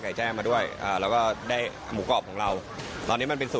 หยิมใจครับ